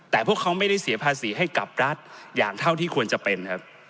แต่พวกเขาไม่ได้เสียภาษีให้กับรัฐอย่างเท่าที่ควรจะเป็นครับ